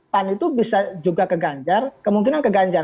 pan itu bisa juga ke ganjar kemungkinan ke ganjar